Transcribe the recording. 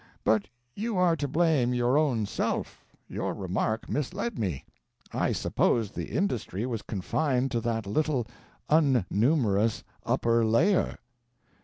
But you are to blame, your own self. Your remark misled me. I supposed the industry was confined to that little unnumerous upper layer.